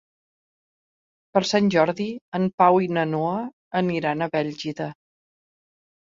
Per Sant Jordi en Pau i na Noa aniran a Bèlgida.